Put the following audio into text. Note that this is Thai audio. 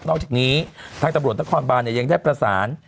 อกจากนี้ทางตำรวจนครบานยังได้ประสาน